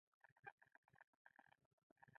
منتخب شعرونه په کال کې چاپ شوې ده.